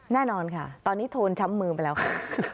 แน่นอนค่ะตอนนี้โทนช้ำมือไปแล้วค่ะ